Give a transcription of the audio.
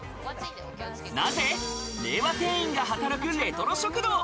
なぜ令和店員が働くレトロ食堂。